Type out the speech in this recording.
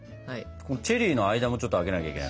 チェリーの間もちょっと空けなきゃいけないからね。